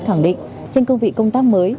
khẳng định trên công vị công tác mới